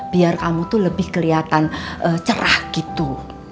biar kamu tuh lebih kelihatan cerah gitu